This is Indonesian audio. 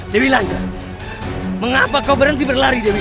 dewi lanjar mengapa kau berhenti berlari dewi